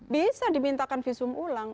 bisa dimintakan visum ulang